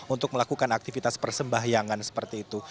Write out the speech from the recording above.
untuk melakukan aktivitas persembahyangan seperti itu